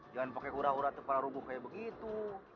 jangan pakai hura hura atau para rungguh kayak begitu